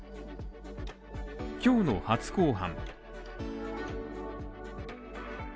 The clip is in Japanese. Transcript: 今日の初公判。